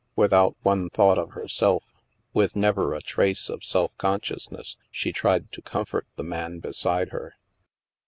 Without one thought of herself, with never a trace of self consciousness, she tried to comfort the man beside her.